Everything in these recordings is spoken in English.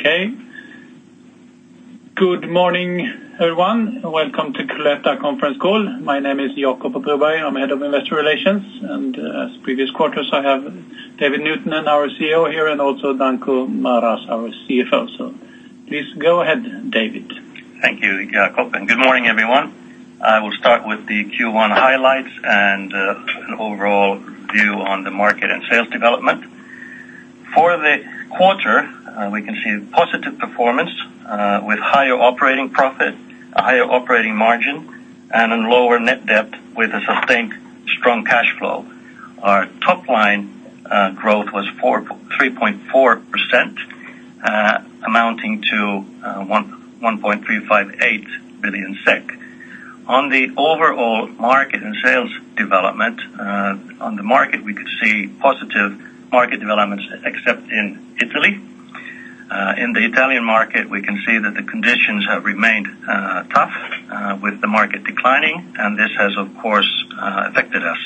Okay. Good morning, everyone. Welcome to Cloetta conference call. My name is Jacob Broberg. I'm Head of Investor Relations, and as previous quarters, I have David Nuutinen, our CEO here, and also Danko Maras, our CFO. So please go ahead, David. Thank you, Jacob, and good morning, everyone. I will start with the Q1 highlights and an overall view on the market and sales development. For the quarter, we can see a positive performance with higher operating profit, a higher operating margin, and a lower net debt with a sustained strong cash flow. Our top line growth was 3.4%, amounting to 1.358 billion SEK. On the overall market and sales development, on the market, we could see positive market developments, except in Italy. In the Italian market, we can see that the conditions have remained tough with the market declining, and this has, of course, affected us.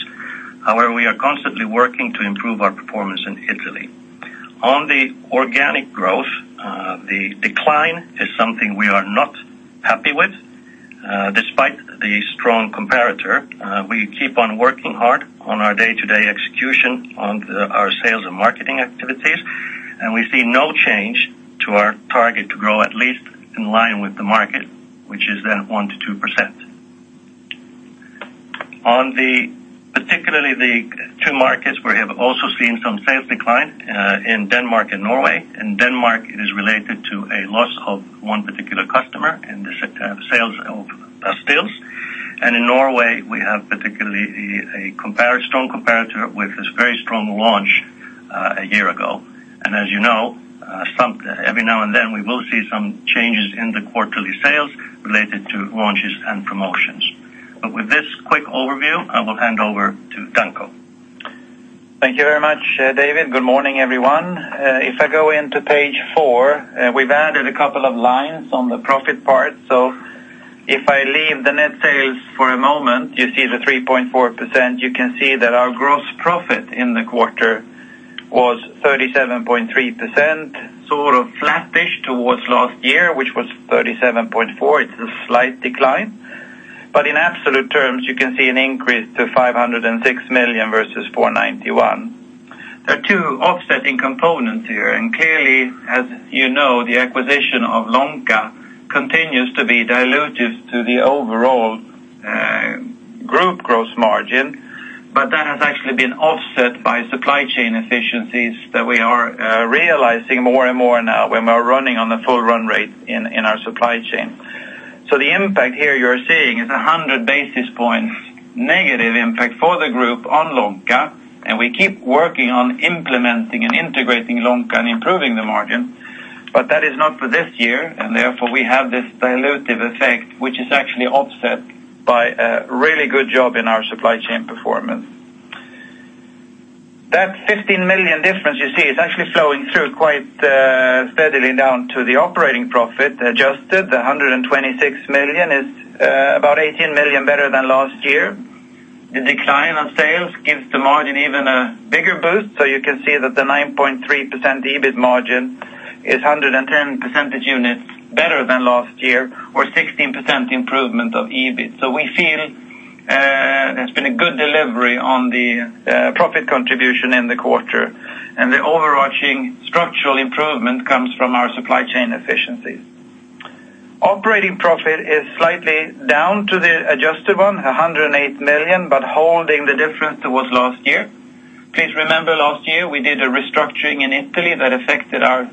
However, we are constantly working to improve our performance in Italy. On the organic growth, the decline is something we are not happy with, despite the strong comparator, we keep on working hard on our day-to-day execution on our sales and marketing activities, and we see no change to our target to grow at least in line with the market, which is then 1%-2%. On the particularly the two markets, we have also seen some sales decline, in Denmark and Norway. In Denmark, it is related to a loss of one particular customer in the sector of sales of sweets. And in Norway, we have particularly a strong comparator with this very strong launch, a year ago. And as you know, some every now and then, we will see some changes in the quarterly sales related to launches and promotions. With this quick overview, I will hand over to Danko. Thank you very much, David. Good morning, everyone. If I go into page four, we've added a couple of lines on the profit part. So if I leave the net sales for a moment, you see the 3.4%, you can see that our gross profit in the quarter was 37.3%, sort of flattish towards last year, which was 37.4%. It's a slight decline, but in absolute terms, you can see an increase to 506 million versus 491 million. There are two offsetting components here, and clearly, as you know, the acquisition of Lonka continues to be dilutive to the overall, group gross margin, but that has actually been offset by supply chain efficiencies that we are, realizing more and more now when we're running on a full run rate in our supply chain. So the impact here you're seeing is 100 basis points, negative impact for the group on Lonka, and we keep working on implementing and integrating Lonka and improving the margin. But that is not for this year, and therefore, we have this dilutive effect, which is actually offset by a really good job in our supply chain performance. That 15 million difference you see is actually flowing through quite steadily down to the operating profit. Adjusted, the 126 million is about 18 million better than last year. The decline on sales gives the margin even a bigger boost, so you can see that the 9.3% EBIT margin is 110 percentage units better than last year or 16% improvement of EBIT. So we feel, there's been a good delivery on the profit contribution in the quarter, and the overarching structural improvement comes from our supply chain efficiencies. Operating profit is slightly down to the adjusted one, 108 million, but holding the difference towards last year. Please remember, last year, we did a restructuring in Italy that affected our,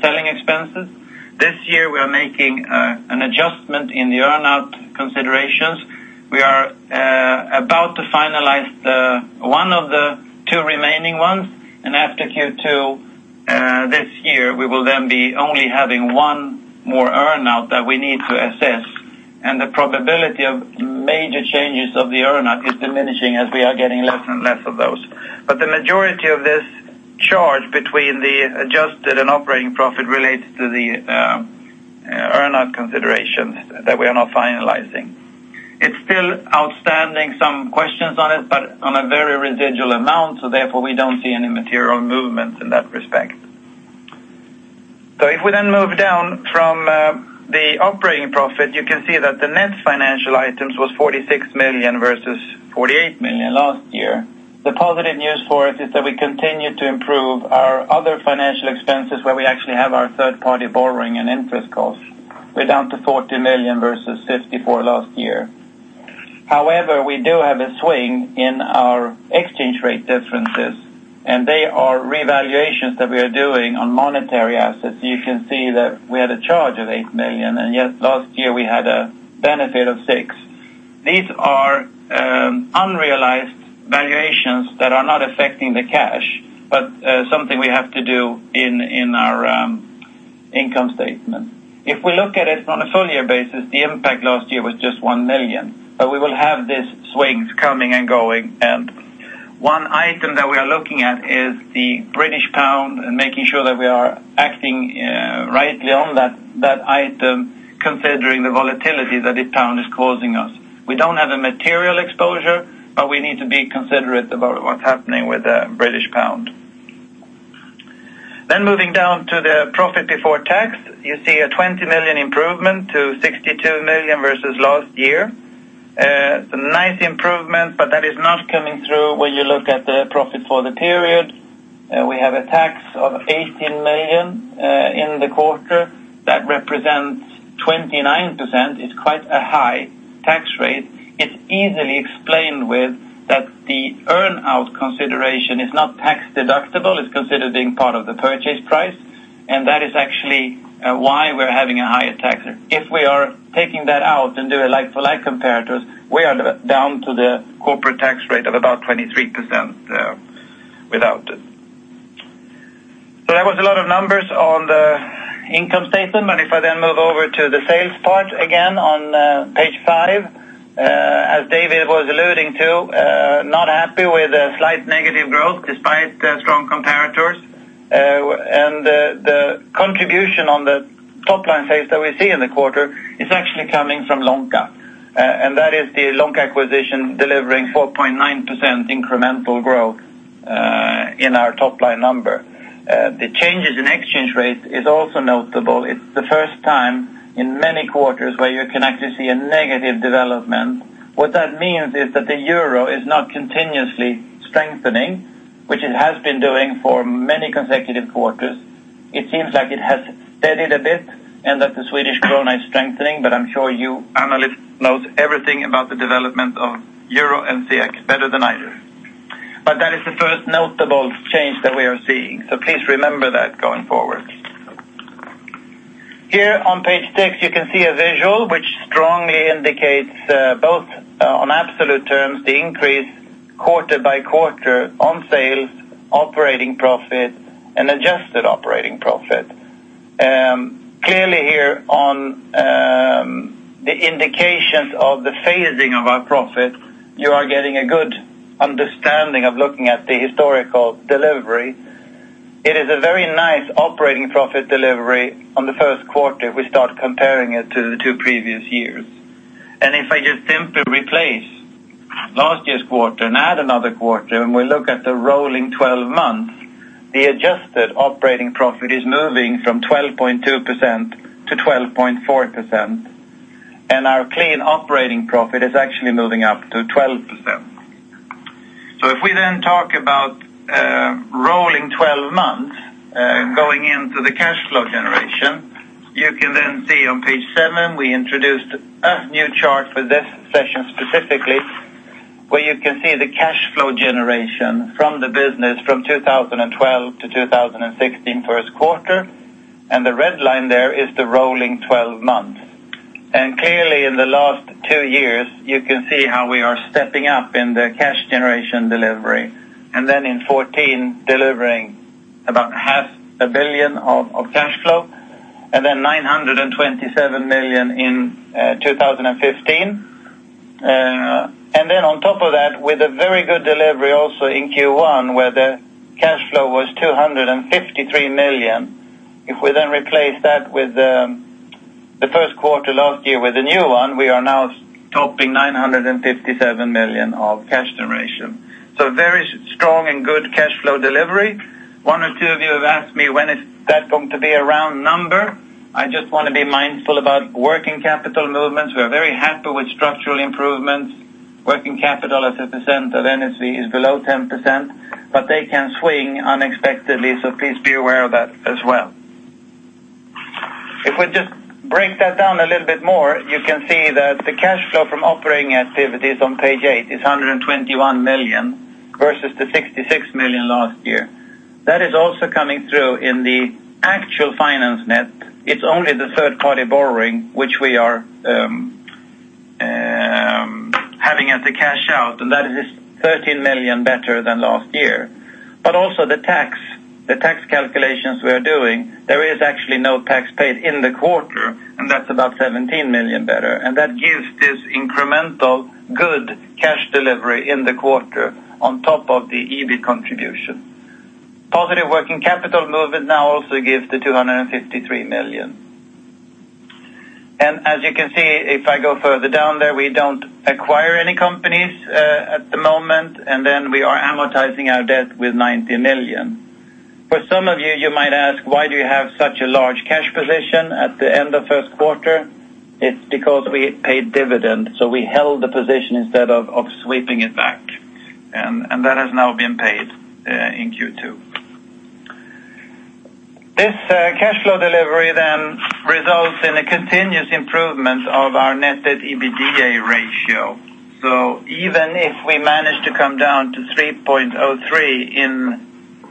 selling expenses. This year, we are making, an adjustment in the earn-out considerations. We are, about to finalize the, one of the two remaining ones, and after Q2 this year, we will then be only having one more earn-out that we need to assess. And the probability of major changes of the earn-out is diminishing as we are getting less and less of those. But the majority of this charge between the adjusted and operating profit relates to the earn-out considerations that we are now finalizing. It's still outstanding, some questions on it, but on a very residual amount, so therefore, we don't see any material movement in that respect. So if we then move down from the operating profit, you can see that the net financial items was 46 million versus 48 million last year. The positive news for us is that we continue to improve our other financial expenses, where we actually have our third-party borrowing and interest costs. We're down to 40 million versus 54 million last year. However, we do have a swing in our exchange rate differences, and they are revaluations that we are doing on monetary assets. You can see that we had a charge of 8 million, and yet last year, we had a benefit of 6 million. These are unrealized valuations that are not affecting the cash, but something we have to do in our income statement. If we look at it on a full year basis, the impact last year was just 1 million, but we will have these swings coming and going, and one item that we are looking at is the British pound and making sure that we are acting rightly on that item, considering the volatility that the pound is causing us. We don't have a material exposure, but we need to be considerate about what's happening with the British pound. Then moving down to the profit before tax, you see a 20 million improvement to 62 million versus last year. It's a nice improvement, but that is not coming through when you look at the profit for the period. We have a tax of 18 million in the quarter that represents 29%. It's quite a high tax rate. It's easily explained with that the earn-out consideration is not tax deductible, it's considered being part of the purchase price, and that is actually why we're having a higher tax. If we are taking that out and do a like-for-like comparators, we are down to the corporate tax rate of about 23%, without it. So that was a lot of numbers on the income statement, but if I then move over to the sales part, again, on page five, as David was alluding to, not happy with a slight negative growth despite the strong comparators. And the contribution on the top-line sales that we see in the quarter is actually coming from Lonka, and that is the Lonka acquisition delivering 4.9% incremental growth in our top-line number. The changes in exchange rate is also notable. It's the first time in many quarters where you can actually see a negative development. What that means is that the euro is not continuously strengthening, which it has been doing for many consecutive quarters. It seems like it has steadied a bit and that the Swedish krona is strengthening, but I'm sure you analysts knows everything about the development of euro and SEK better than I do. But that is the first notable change that we are seeing, so please remember that going forward. Here on page six, you can see a visual which strongly indicates, both, on absolute terms, the increase quarter by quarter on sales, operating profit, and adjusted operating profit. Clearly here on, the indications of the phasing of our profit, you are getting a good understanding of looking at the historical delivery. It is a very nice operating profit delivery on the first quarter if we start comparing it to the two previous years. And if I just simply replace last year's quarter and add another quarter, and we look at the rolling 12 months, the adjusted operating profit is moving from 12.2% to 12.4%, and our clean operating profit is actually moving up to 12%. If we then talk about rolling 12 months going into the cash flow generation, you can then see on page seven, we introduced a new chart for this session specifically, where you can see the cash flow generation from the business from 2012 to 2016 first quarter, and the red line there is the rolling 12 months. Clearly, in the last two years, you can see how we are stepping up in the cash generation delivery, and then in 2014, delivering about 500 million of cash flow, and then 927 million in 2015. And then on top of that, with a very good delivery also in Q1, where the cash flow was 253 million, if we then replace that with the first quarter last year with the new one, we are now topping 957 million of cash generation. So very strong and good cash flow delivery. One or two of you have asked me, when is that going to be a round number? I just want to be mindful about working capital movements. We are very happy with structural improvements. Working capital as a percent of NSV is below 10%, but they can swing unexpectedly, so please be aware of that as well. If we just break that down a little bit more, you can see that the cash flow from operating activities on page eight is 121 million versus the 66 million last year. That is also coming through in the actual finance net. It's only the third party borrowing, which we are having as a cash out, and that is 13 million better than last year. But also the tax, the tax calculations we are doing, there is actually no tax paid in the quarter, and that's about 17 million better, and that gives this incremental good cash delivery in the quarter on top of the EBIT contribution. Positive working capital movement now also gives the 253 million. As you can see, if I go further down there, we don't acquire any companies at the moment, and then we are amortizing our debt with 90 million. For some of you, you might ask, why do you have such a large cash position at the end of first quarter? It's because we paid dividend, so we held the position instead of sweeping it back, and that has now been paid in Q2. This cash flow delivery then results in a continuous improvement of our net debt/EBITDA ratio. So even if we manage to come down to 3.03 in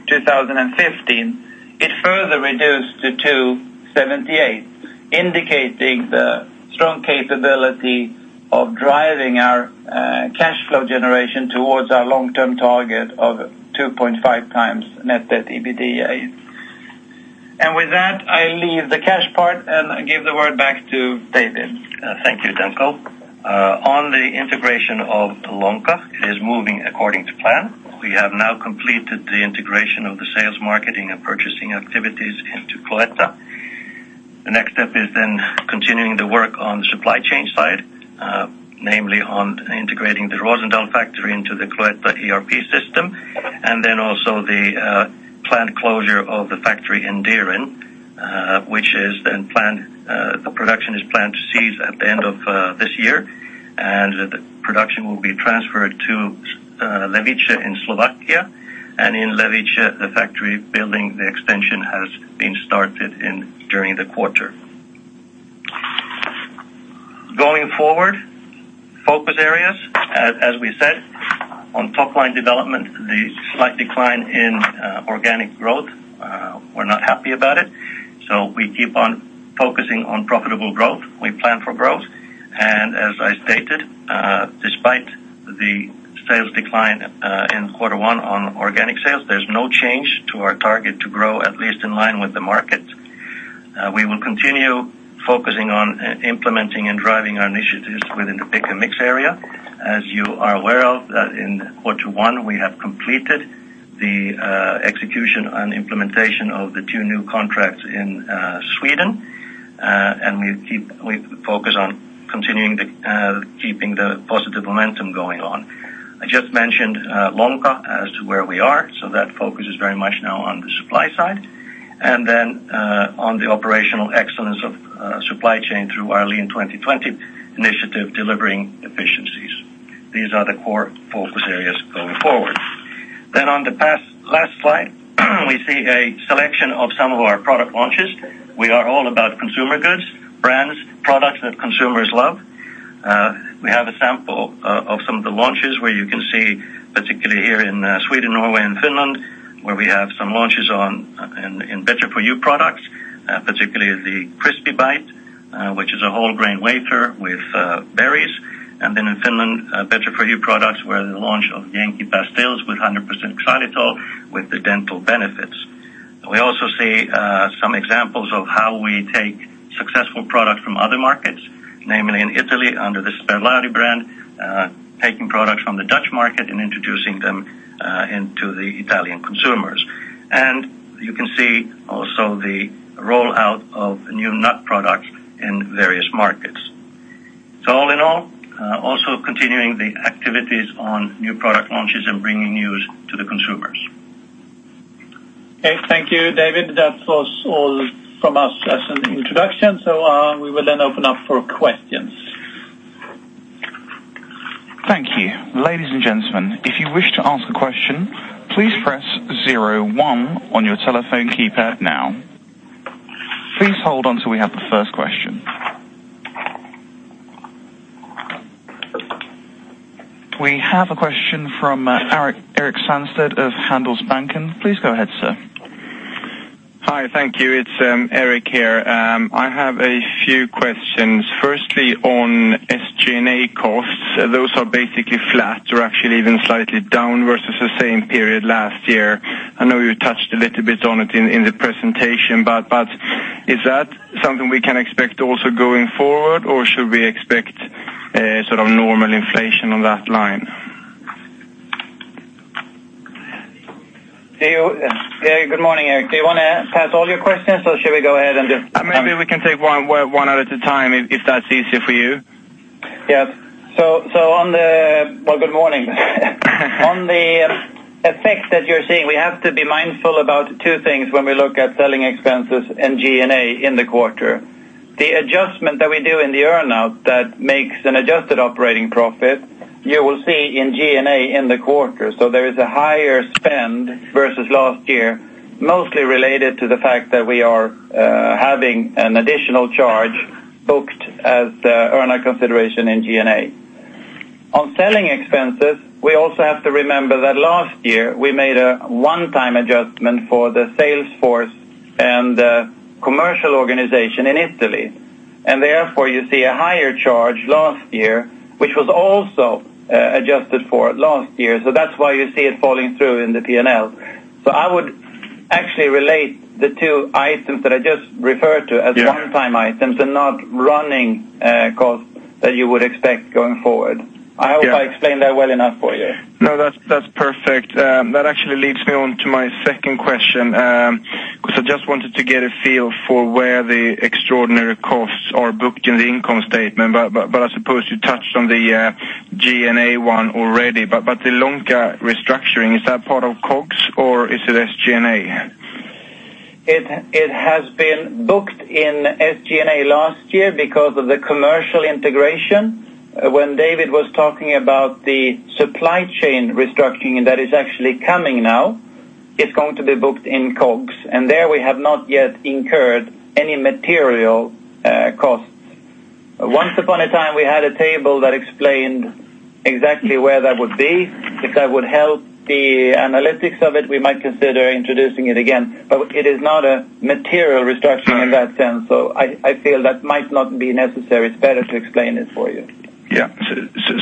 2015, it further reduced to 2.78, indicating the strong capability of driving our cash flow generation towards our long-term target of 2.5x net debt/EBITDA. With that, I leave the cash part and give the word back to David. Thank you, Danko. On the integration of Lonka, it is moving according to plan. We have now completed the integration of the sales, marketing, and purchasing activities into Cloetta. The next step is then continuing the work on the supply chain side, namely on integrating the Roosendaal factory into the Cloetta ERP system, and then also the planned closure of the factory in Dieren, which is then planned, the production is planned to cease at the end of this year, and the production will be transferred to Levice in Slovakia. And in Levice, the factory building, the extension has been started during the quarter. Going forward, focus areas, as we said, on top line development, the slight decline in organic growth, we're not happy about it, so we keep on focusing on profitable growth. We plan for growth, and as I stated, despite the sales decline in quarter one on organic sales, there's no change to our target to grow, at least in line with the market. We will continue focusing on implementing and driving our initiatives within the Pick & Mix area. As you are aware of, that in quarter one, we have completed the execution and implementation of the two new contracts in Sweden, and we keep, we focus on continuing the keeping the positive momentum going on. I just mentioned Lonka as to where we are, so that focus is very much now on the supply side, and then on the operational excellence of supply chain through our Lean 2020 initiative, delivering efficiencies. These are the core focus areas going forward. Then on the past, last slide, we see a selection of some of our product launches. We are all about consumer goods, brands, products that consumers love. We have a sample of some of the launches where you can see, particularly here in Sweden, Norway, and Finland, where we have some launches on, in, in Better for You products, particularly the Crispy Bite, which is a whole grain wafer with berries. And then in Finland, Better for You products, where the launch of Jenkki pastilles with 100% xylitol, with the dental benefits. We also see some examples of how we take successful products from other markets, namely in Italy, under the Sperlari brand, taking products from the Dutch market and introducing them into the Italian consumers. And you can see also the rollout of new nut products in various markets. So all in all, also continuing the activities on new product launches and bringing news to the consumers. Okay, thank you, David. That was all from us as an introduction, so, we will then open up for questions. Thank you. Ladies and gentlemen, if you wish to ask a question, please press zero one on your telephone keypad now. Please hold on till we have the first question. We have a question from Erik Sandstedt of Handelsbanken. Please go ahead, sir. Hi, thank you. It's Erik here. I have a few questions. Firstly, on SG&A costs, those are basically flat or actually even slightly down versus the same period last year. I know you touched a little bit on it in the presentation, but is that something we can expect also going forward, or should we expect a sort of normal inflation on that line? Good morning, Erik. Do you want to ask all your questions, or should we go ahead and just- Maybe we can take one at a time, if that's easier for you. Yes. So on the... Well, good morning. On the effect that you're seeing, we have to be mindful about two things when we look at selling expenses and G&A in the quarter. The adjustment that we do in the earn-out that makes an adjusted operating profit, you will see in G&A in the quarter. So there is a higher spend versus last year, mostly related to the fact that we are having an additional charge booked as earn-out consideration in G&A. On selling expenses, we also have to remember that last year, we made a one-time adjustment for the sales force and the commercial organization in Italy, and therefore, you see a higher charge last year, which was also adjusted for last year. So that's why you see it falling through in the P&L. So I would actually relate the two items that I just referred to- Yeah. - as one-time items and not running costs that you would expect going forward. Yeah. I hope I explained that well enough for you. No, that's, that's perfect. That actually leads me on to my second question, 'cause I just wanted to get a feel for where the extraordinary costs are booked in the income statement, but I suppose you touched on the SG&A one already. But the Lonka restructuring, is that part of COGS or is it SG&A? It has been booked in SG&A last year because of the commercial integration. When David was talking about the supply chain restructuring, that is actually coming now, it's going to be booked in COGS, and there we have not yet incurred any material costs. Once upon a time, we had a table that explained exactly where that would be. If that would help the analytics of it, we might consider introducing it again, but it is not a material restructuring in that sense, so I feel that might not be necessary. It's better to explain it for you. Yeah.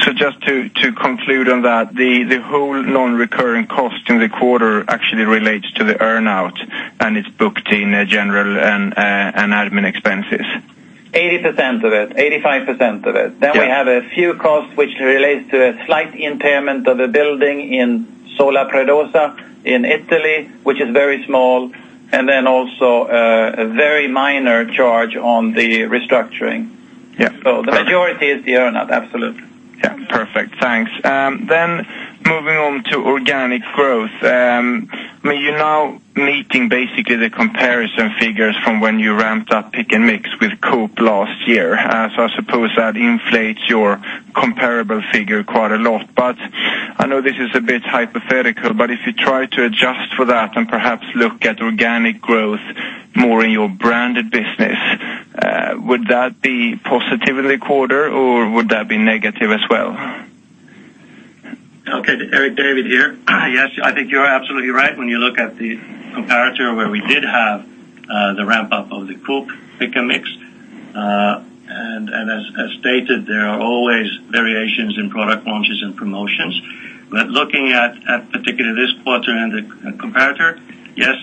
So just to conclude on that, the whole non-recurring cost in the quarter actually relates to the earn-out, and it's booked in general and admin expenses? 80% of it, 85% of it. Then we have a few costs, which relates to a slight impairment of a building in Zola Predosa, in Italy, which is very small, and then also a very minor charge on the restructuring. Yeah. So the majority is the earn-out, absolutely. Yeah, perfect. Thanks. Then moving on to organic growth. I mean, you're now meeting basically the comparison figures from when you ramped up Pick & Mix with Coop last year. So I suppose that inflates your comparable figure quite a lot. But I know this is a bit hypothetical, but if you try to adjust for that and perhaps look at organic growth more in your branded business, would that be positive in the quarter, or would that be negative as well? Okay, Erik, David here. Yes, I think you're absolutely right. When you look at the comparator where we did have the ramp-up of the Coop Pick & Mix, and as stated, there are always variations in product launches and promotions. But looking at particularly this quarter and the comparator, yes,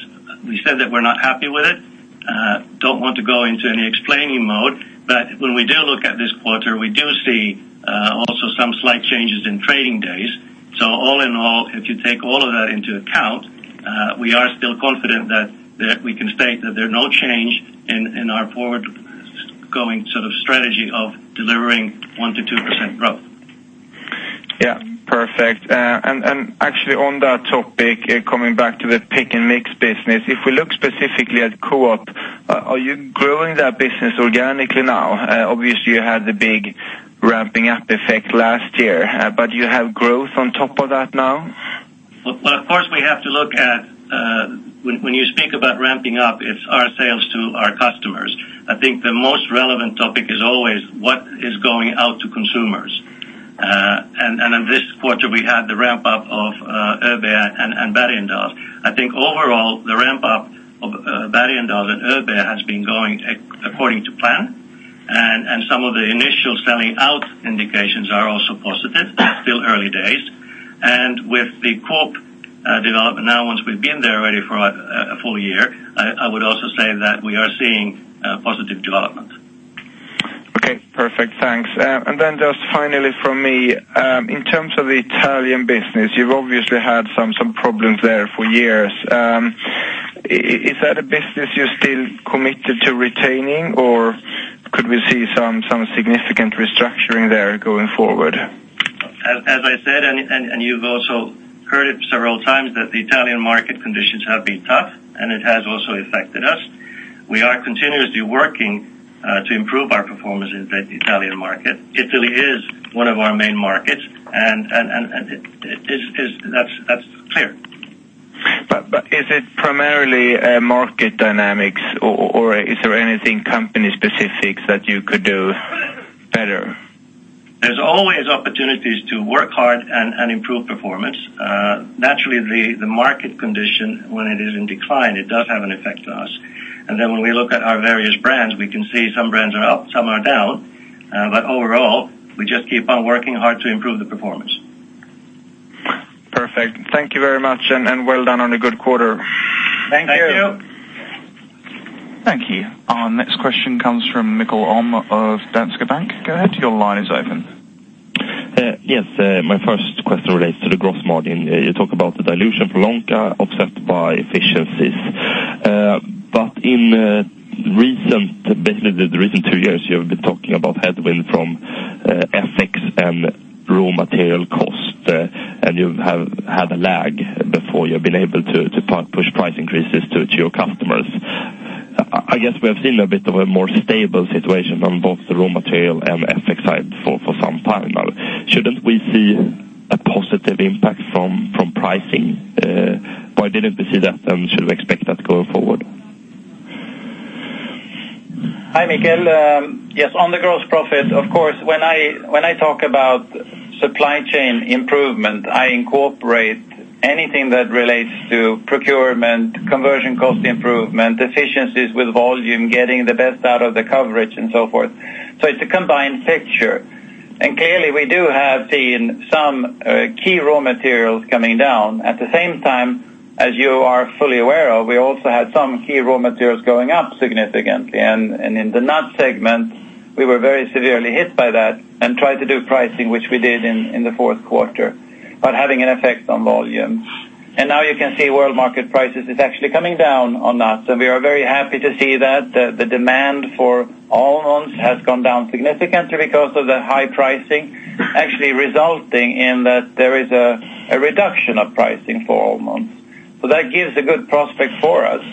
we said that we're not happy with it. Don't want to go into any explaining mode, but when we do look at this quarter, we do see also some slight changes in trading days. So all in all, if you take all of that into account, we are still confident that we can state that there are no change in our forward-going sort of strategy of delivering 1%-2% growth. Yeah, perfect. And actually on that topic, coming back to the Pick & Mix business, if we look specifically at Coop, are you growing that business organically now? Obviously you had the big ramping up effect last year, but do you have growth on top of that now? Well, well, of course, we have to look at. When, when you speak about ramping up, it's our sales to our customers. I think the most relevant topic is always what is going out to consumers. In this quarter, we had the ramp-up of ÖoB and Bergendahls. I think overall, the ramp-up of Bergendahls and ÖoB has been going according to plan, and some of the initial selling out indications are also positive. Still early days. With the Coop development, now, once we've been there already for a full year, I would also say that we are seeing positive development. Okay, perfect. Thanks. And then just finally from me, in terms of the Italian business, you've obviously had some, some problems there for years. Is that a business you're still committed to retaining, or could we see some, some significant restructuring there going forward? As I said, and you've also heard it several times, that the Italian market conditions have been tough, and it has also affected us. We are continuously working to improve our performance in the Italian market. Italy is one of our main markets, and it is, that's clear. But is it primarily market dynamics, or is there anything company specific that you could do better? There's always opportunities to work hard and improve performance. Naturally, the market condition, when it is in decline, it does have an effect to us. And then when we look at our various brands, we can see some brands are up, some are down, but overall, we just keep on working hard to improve the performance. Perfect. Thank you very much, and, and well done on a good quarter. Thank you. Thank you. Thank you. Our next question comes from Mikael Holm of Danske Bank. Go ahead, your line is open. Yes, my first question relates to the gross margin. You talk about the dilution for Lonka, offset by efficiencies. But in recent, basically the recent two years, you've been talking about headwind from FX and raw material cost, and you've had a lag before you've been able to push price increases to your customers. I guess we have seen a bit of a more stable situation on both the raw material and FX side for some time now. Shouldn't we see a positive impact from pricing? Why didn't we see that, and should we expect that going forward? Hi, Mikael. Yes, on the gross profit, of course, when I talk about supply chain improvement, I incorporate anything that relates to procurement, conversion cost improvement, efficiencies with volume, getting the best out of the coverage, and so forth. So it's a combined picture. And clearly, we do have seen some key raw materials coming down. At the same time, as you are fully aware of, we also had some key raw materials going up significantly. And in the nut segment, we were very severely hit by that and tried to do pricing, which we did in the fourth quarter, but having an effect on volume. And now you can see world market prices is actually coming down on nuts, and we are very happy to see that. The demand for almonds has gone down significantly because of the high pricing, actually resulting in that there is a reduction of pricing for almonds. So that gives a good prospect for us.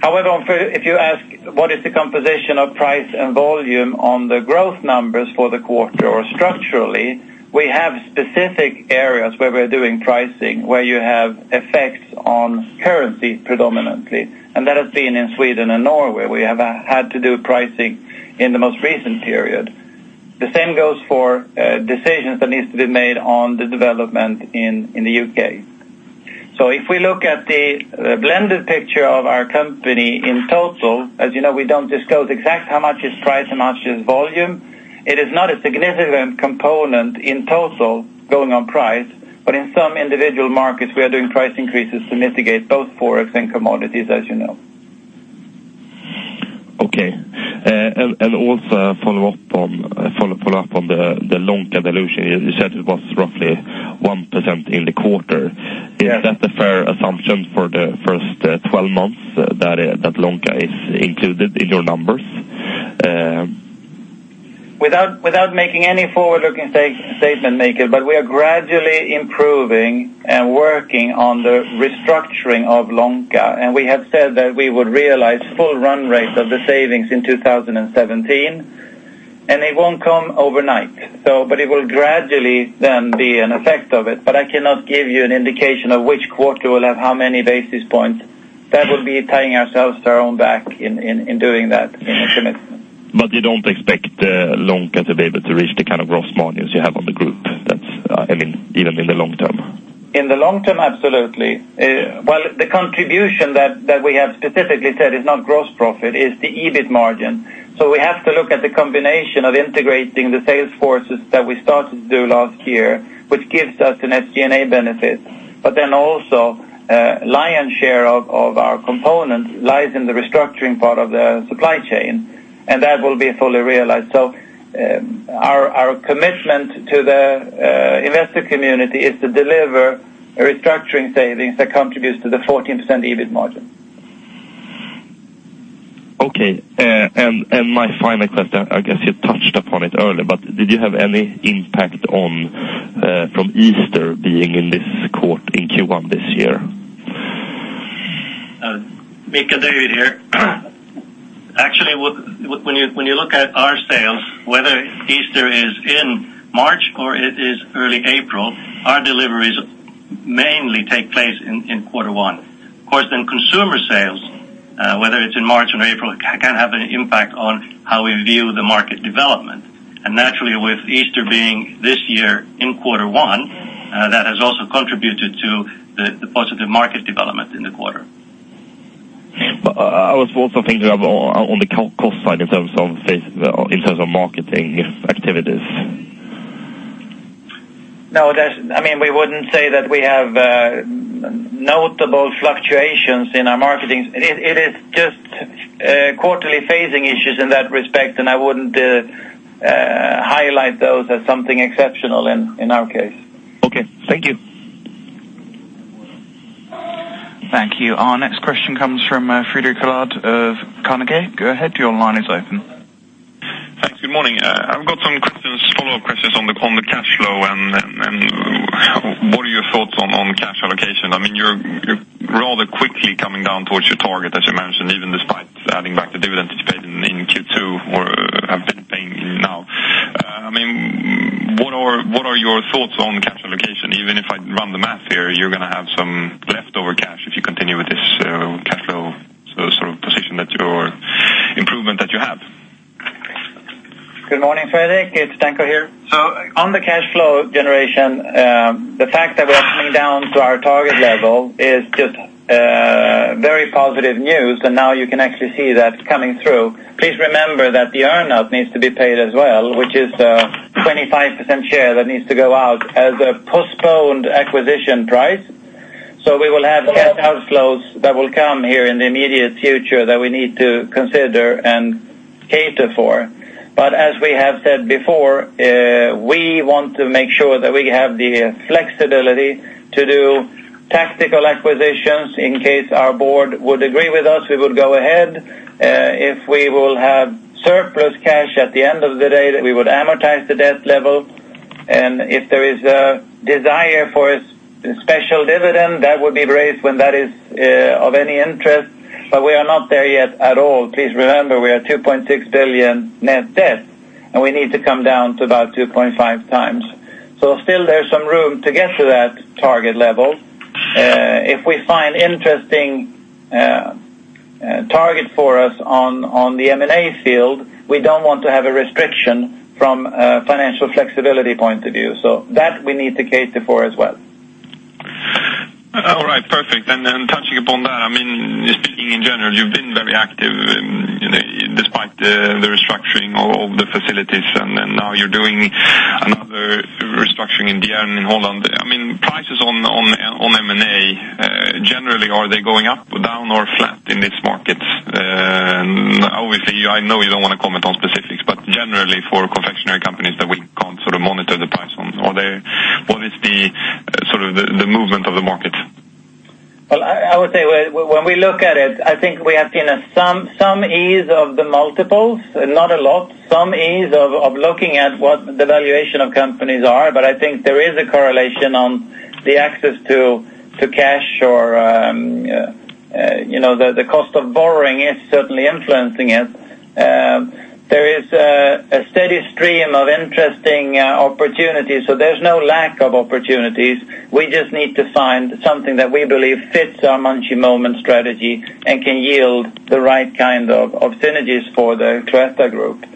However, if you ask what is the composition of price and volume on the growth numbers for the quarter or structurally, we have specific areas where we're doing pricing, where you have effects on currency, predominantly, and that has been in Sweden and Norway, where we have had to do pricing in the most recent period. The same goes for decisions that needs to be made on the development in the U.K. So if we look at the blended picture of our company in total, as you know, we don't disclose exactly how much is price, how much is volume. It is not a significant component in total going on price, but in some individual markets, we are doing price increases to mitigate both forex and commodities, as you know. Okay, and also a follow-up on the Lonka dilution. You said it was roughly 1% in the quarter. Yeah. Is that a fair assumption for the first 12 months, that that Lonka is included in your numbers? Without making any forward-looking statement, Mikael, but we are gradually improving and working on the restructuring of Lonka, and we have said that we would realize full run rate of the savings in 2017, and it won't come overnight. So, but it will gradually then be an effect of it, but I cannot give you an indication of which quarter will have how many basis points. That would be tying ourselves to our own back in doing that, in committing. But you don't expect, Lonka to be able to reach the kind of gross margins you have on the group? That's, I mean, even in the long term. In the long term, absolutely. Well, the contribution that, that we have specifically said is not gross profit, is the EBIT margin. So we have to look at the combination of integrating the sales forces that we started to do last year, which gives us an SG&A benefit. But then also, lion's share of, of our components lies in the restructuring part of the supply chain, and that will be fully realized. So, our, our commitment to the, investor community is to deliver a restructuring savings that contributes to the 14% EBIT margin. Okay, and my final question, I guess you touched upon it earlier, but did you have any impact on, from Easter being in this quarter, in Q1 this year? Mikael, David here. Actually, when you look at our sales, whether Easter is in March or it is early April, our deliveries mainly take place in quarter one. Of course, in consumer sales, whether it's in March or April, it can have an impact on how we view the market development. Naturally, with Easter being this year in quarter one, that has also contributed to the positive market development in the quarter. But I was also thinking of the cost side in terms of marketing activities. No, there's, I mean, we wouldn't say that we have notable fluctuations in our marketing. It is just quarterly phasing issues in that respect, and I wouldn't highlight those as something exceptional in our case. Okay. Thank you. Thank you. Our next question comes from, Fredrik Villard of Carnegie. Go ahead, your line is open. Thanks. Good morning. I've got some questions, follow-up questions on the cash flow and what are your thoughts on cash allocation? I mean, you're rather quickly coming down towards your target, as you mentioned, even despite adding back the dividend to be paid in Q2 or have been paying now. I mean, what are your thoughts on cash allocation? Even if I run the math here, you're gonna have some leftover cash if you continue with this cash flow sort of position that you're improvement that you have. Good morning, Fredrik, it's Danko here. So on the cash flow generation, the fact that we're coming down to our target level is just, very positive news, and now you can actually see that coming through. Please remember that the earn-out needs to be paid as well, which is a 25% share that needs to go out as a postponed acquisition price. So we will have cash outflows that will come here in the immediate future that we need to consider and cater for. But as we have said before, we want to make sure that we have the flexibility to do tactical acquisitions. In case our board would agree with us, we would go ahead. If we will have surplus cash at the end of the day, we would amortize the debt level, and if there is a desire for a special dividend, that would be raised when that is of any interest. But we are not there yet at all. Please remember, we are 2.6 billion net debt, and we need to come down to about 2.5x. So still there's some room to get to that target level. If we find interesting target for us on the M&A field, we don't want to have a restriction from a financial flexibility point of view. So that we need to cater for as well. All right. Perfect. Then touching upon that, I mean, just speaking in general, you've been very active in, you know, despite the restructuring of the facilities, and now you're doing another restructuring in the Netherlands. I mean, prices on M&A generally, are they going up, down, or flat in this market? And obviously, I know you don't want to comment on specifics, but generally for confectionery companies that we can't sort of monitor the price on, are they—what is the sort of the movement of the market? Well, I would say when we look at it, I think we have seen some ease of the multiples, not a lot, some ease of looking at what the valuation of companies are, but I think there is a correlation on the access to cash or, you know, the cost of borrowing is certainly influencing it. There is a steady stream of interesting opportunities, so there's no lack of opportunities. We just need to find something that we believe fits our Munchy Moment strategy and can yield the right kind of synergies for the Cloetta group.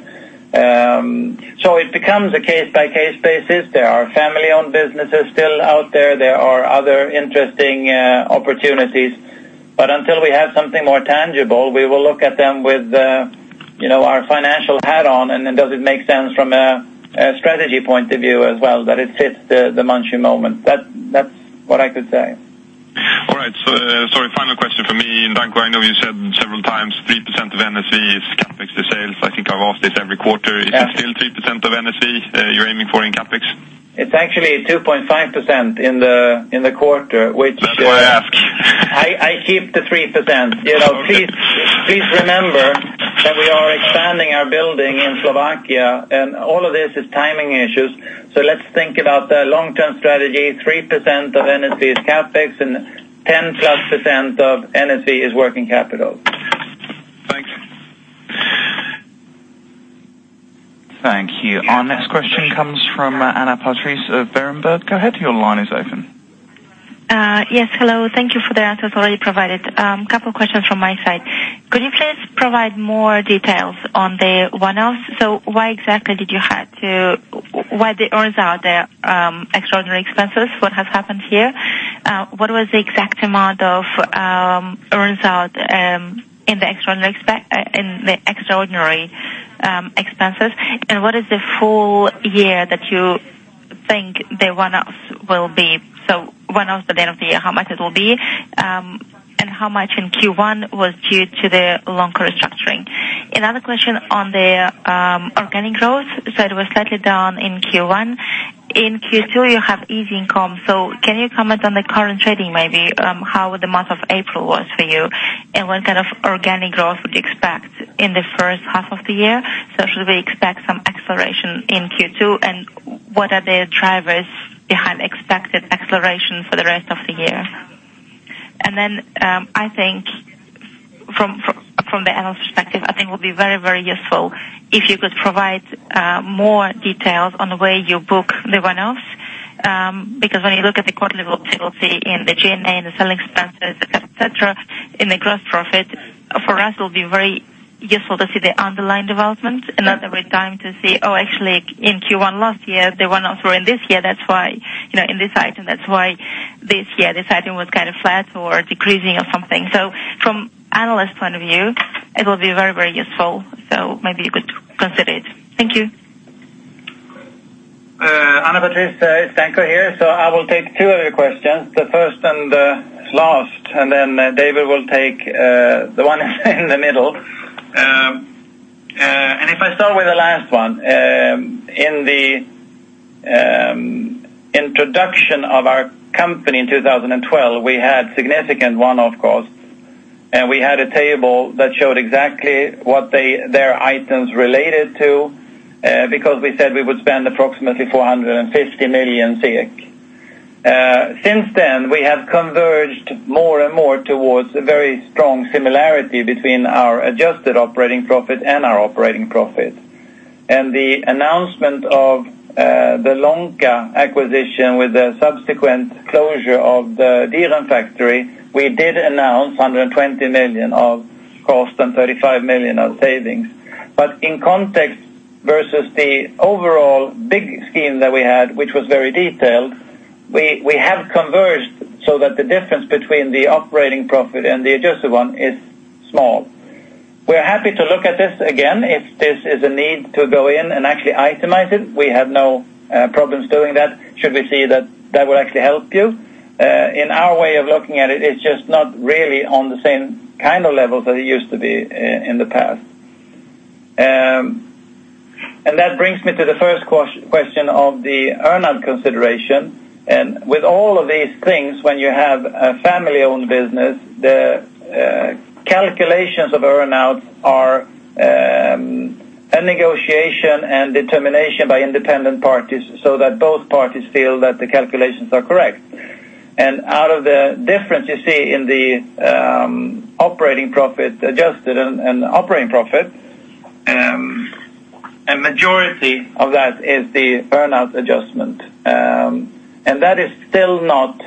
So it becomes a case-by-case basis. There are family-owned businesses still out there. There are other interesting opportunities. But until we have something more tangible, we will look at them with, you know, our financial hat on, and then does it make sense from a strategy point of view as well, that it fits the Munchy Moment? That's what I could say. All right, so, sorry, final question for me. Danko, I know you said several times 3% of NSV is CapEx to sales. I think I've asked this every quarter. Yeah. Is it still 3% of NSV, you're aiming for in CapEx? It's actually 2.5% in the, in the quarter, which- That's why I asked. I keep the 3%. You know, please, please remember that we are expanding our building in Slovakia, and all of this is timing issues. So let's think about the long-term strategy, 3% of NSV is CapEx, and 10%+ of NSV is working capital. Thank you. Thank you. Our next question comes from Anna Patrice of Berenberg. Go ahead, your line is open. Yes, hello. Thank you for the answers already provided. Couple questions from my side. Could you please provide more details on the one-offs? So why exactly did you have to... Why the earn-out, the extraordinary expenses? What has happened here? What was the exact amount of earn-out in the extraordinary expenses? And what is the full year that you think the one-offs will be? So one-offs at the end of the year, how much it will be, and how much in Q1 was due to the Lonka restructuring. Another question on the organic growth. So it was slightly down in Q1. In Q2, you have easy comps, so can you comment on the current trading, maybe, how the month of April was for you, and what kind of organic growth would you expect in the first half of the year? So should we expect some acceleration in Q2, and what are the drivers behind expected acceleration for the rest of the year? And then, I think from the analyst perspective, I think it would be very, very useful if you could provide more details on the way you book the one-offs. Because when you look at the quarterly reports, you will see in the SG&A, in the selling expenses, et cetera, in the gross profit. For us, it will be very useful to see the underlying development, another time to see, oh, actually, in Q1 last year, the one-offs were in this year. That's why, you know, in this item, that's why this year, this item was kind of flat or decreasing or something. So from analyst point of view, it will be very, very useful. So maybe you could consider it. Thank you. Anna Patrice, it's Danko here, so I will take two of your questions, the first and the last, and then David will take the one in the middle. And if I start with the last one, in the introduction of our company in 2012, we had significant one-off costs, and we had a table that showed exactly what they, their items related to, because we said we would spend approximately 450 million. Since then, we have converged more and more towards a very strong similarity between our adjusted operating profit and our operating profit. And the announcement of the Lonka acquisition, with the subsequent closure of the Dieren factory, we did announce 120 million of cost and 35 million of savings. But in context, versus the overall big scheme that we had, which was very detailed, we have converged so that the difference between the operating profit and the adjusted one is small. We're happy to look at this again, if this is a need to go in and actually itemize it. We have no problems doing that, should we see that that will actually help you. In our way of looking at it, it's just not really on the same kind of level that it used to be in the past. And that brings me to the first question of the earn-out consideration. And with all of these things, when you have a family-owned business, the calculations of earn-outs are a negotiation and determination by independent parties so that both parties feel that the calculations are correct. Out of the difference you see in the operating profit, adjusted and operating profit, a majority of that is the earn-out adjustment. That is still not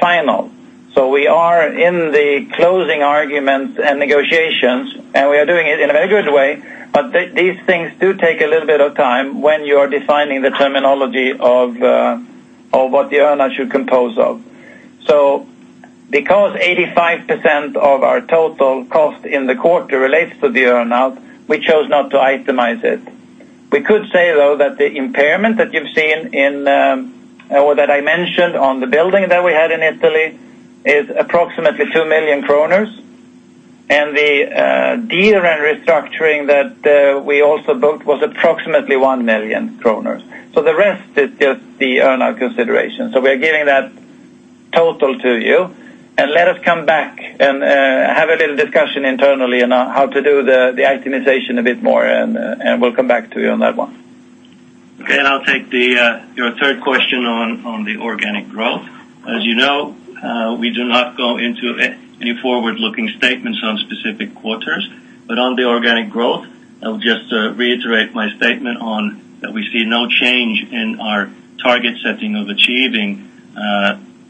final. So we are in the closing arguments and negotiations, and we are doing it in a very good way, but these things do take a little bit of time when you are defining the terminology of what the earn-out should compose of. So because 85% of our total cost in the quarter relates to the earn-out, we chose not to itemize it. We could say, though, that the impairment that you've seen, or that I mentioned on the building that we had in Italy is approximately 2 million kronor, and the Dieren restructuring that we also booked was approximately 1 million kronor. The rest is just the earn-out consideration. We're giving that total to you, and let us come back and have a little discussion internally on how to do the itemization a bit more, and we'll come back to you on that one. Okay, and I'll take the your third question on the organic growth. As you know, we do not go into any forward-looking statements on specific quarters, but on the organic growth, I'll just reiterate my statement on that we see no change in our target setting of achieving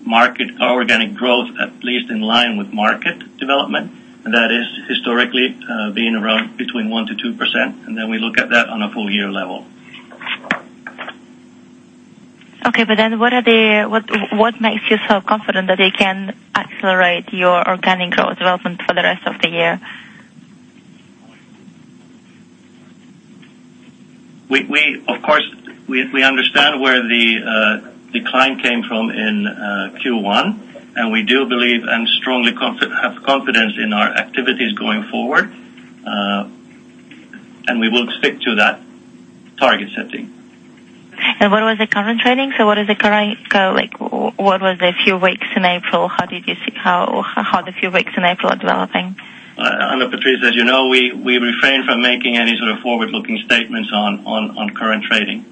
market organic growth, at least in line with market development. That is historically being around between 1%-2%, and then we look at that on a full year level. Okay, but then what are the, what, what makes you so confident that they can accelerate your organic growth development for the rest of the year? We of course understand where the decline came from in Q1, and we do believe and strongly have confidence in our activities going forward. And we will stick to that target setting. What was the current trading? So what is the current go like, what was the few weeks in April, how the few weeks in April are developing? Anna Patrice, as you know, we refrain from making any sort of forward-looking statements on current trading.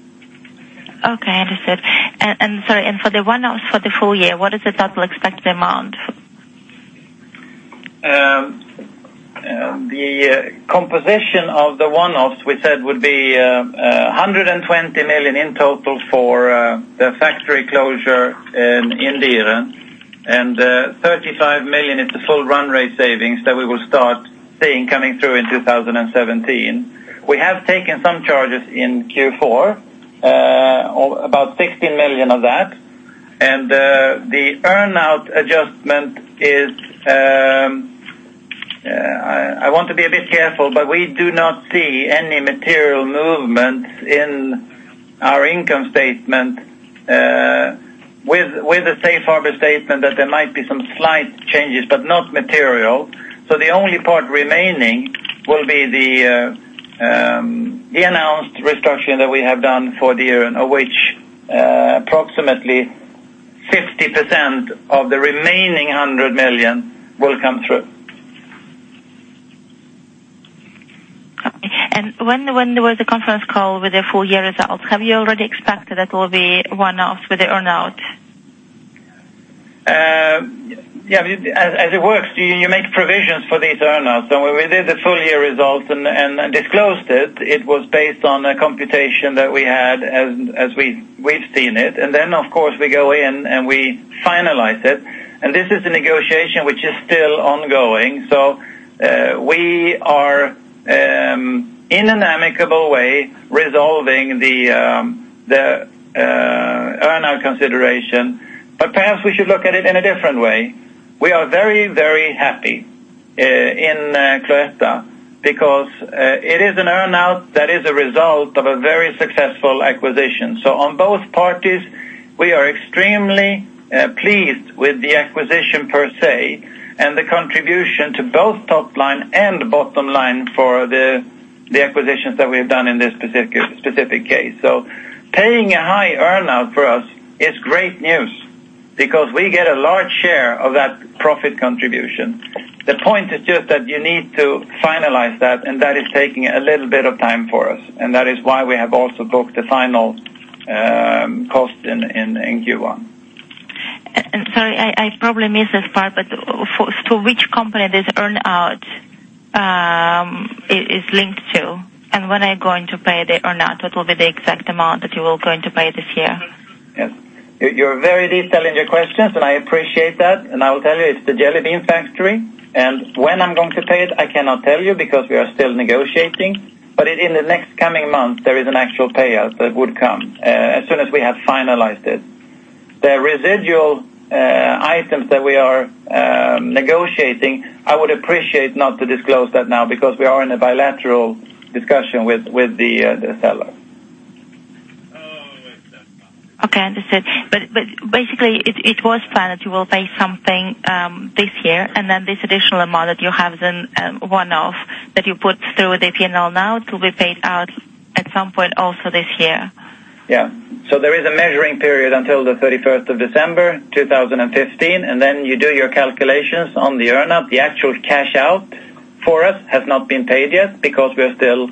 Okay, understood. And sorry, for the one-offs for the full year, what is the total expected amount? The composition of the one-offs we said would be 120 million in total for the factory closure in the year. SEK 35 million is the full run rate savings that we will start seeing coming through in 2017. We have taken some charges in Q4, about 16 million of that. The earn-out adjustment is, I want to be a bit careful, but we do not see any material movements in our income statement. With a safe harbor statement, that there might be some slight changes, but not material. The only part remaining will be the announced restructuring that we have done for the year, of which approximately 50% of the remaining 100 million will come through. Okay. And when there was a conference call with the full year results, have you already expected that will be one-offs with the earn-out? Yeah, as it works, you make provisions for these earn-outs. So when we did the full year results and disclosed it, it was based on a computation that we had as we’ve seen it. And then, of course, we go in and we finalize it. And this is a negotiation which is still ongoing. So we are in an amicable way resolving the earn-out consideration. But perhaps we should look at it in a different way. We are very happy in Cloetta because it is an earn-out that is a result of a very successful acquisition. So on both parties, we are extremely pleased with the acquisition per se, and the contribution to both top line and bottom line for the acquisitions that we have done in this specific case. So paying a high earn-out for us is great news, because we get a large share of that profit contribution. The point is just that you need to finalize that, and that is taking a little bit of time for us, and that is why we have also booked the final cost in Q1. Sorry, I probably missed this part, but to which company this earn-out is linked to? And when are you going to pay the earn-out, what will be the exact amount that you are going to pay this year? Yes. You're very detailed in your questions, and I appreciate that. And I will tell you, it's The Jelly Bean Factory. And when I'm going to pay it, I cannot tell you, because we are still negotiating. But in the next coming months, there is an actual payout that would come, as soon as we have finalized it. The residual items that we are negotiating, I would appreciate not to disclose that now because we are in a bilateral discussion with the seller. Okay, understood. But basically it was planned that you will pay something this year, and then this additional amount that you have in one-off that you put through the P&L now to be paid out at some point also this year. Yeah. So there is a measuring period until the December 31st 2015, and then you do your calculations on the earn-out. The actual cash out for us has not been paid yet because we are still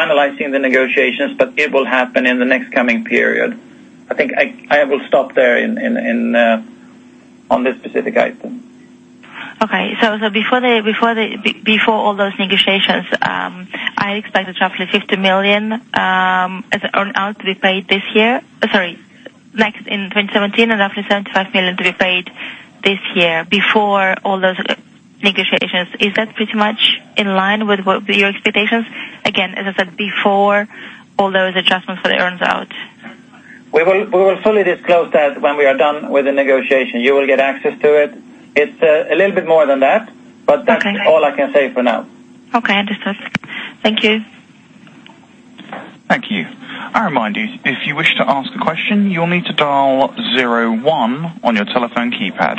finalizing the negotiations, but it will happen in the next coming period. I think I will stop there on this specific item. Okay. So, before all those negotiations, I expect roughly 50 million as earn-out to be paid this year. Sorry, next in 2017 and roughly 75 million to be paid this year, before all those negotiations. Is that pretty much in line with what your expectations? Again, as I said, before all those adjustments for the earn-out. We will, we will fully disclose that when we are done with the negotiation. You will get access to it. It's a little bit more than that, but- Okay. -that's all I can say for now. Okay, understood. Thank you. Thank you. I remind you, if you wish to ask a question, you'll need to dial zero one on your telephone keypad.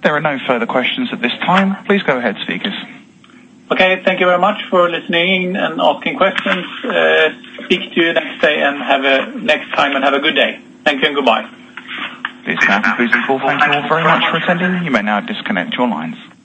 There are no further questions at this time. Please go ahead, speakers. Okay, thank you very much for listening and asking questions. Speak to you next day, and have a next time, and have a good day. Thank you and goodbye. This concludes the call. Thank you all very much for attending. You may now disconnect your lines.